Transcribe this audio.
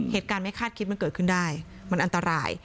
เหตุการณ์ไม่คาดคิดมันเกิดขึ้นได้มันอันตราย